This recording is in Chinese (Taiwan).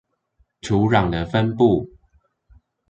土壤的分布